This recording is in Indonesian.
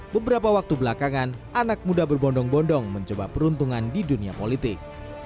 beberapa waktu belakangan anak muda berbondong bondong mencoba peruntungan di dunia politik